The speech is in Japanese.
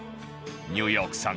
ニューヨークさん